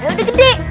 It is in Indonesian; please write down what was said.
kasur udah gede